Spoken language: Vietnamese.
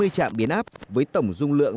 bốn mươi trạm biến áp với tổng dung lượng